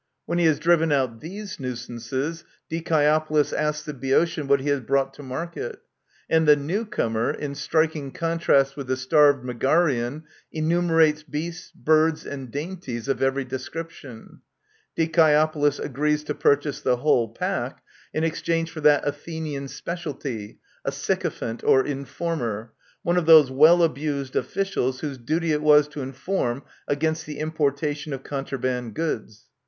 When he has driven out these nuisances, Dicae opolis asks the Boeotian what he has brought to market ; and the new comer, in striking contrast with the starved Megarian, enumerates beasts, birds, and dainties of every description. Dicaeopolis agrees to purchase the whole pack, in exchange for that Athenian specialty, a " sycophant " or informer — one of those well abused officials whose duty it was to inform against the importation of contraband goods.